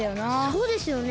そうですよね。